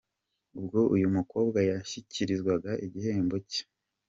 Ubwo uyu mukobwa yashyikirizwaga igihembo cye.